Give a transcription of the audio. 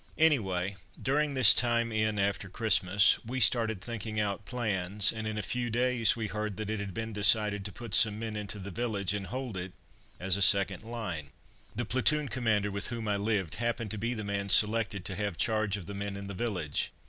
Anyway, during this time in after Christmas we started thinking out plans, and in a few days we heard that it had been decided to put some men into the village, and hold it, as a second line. The platoon commander with whom I lived happened to be the man selected to have charge of the men in the village.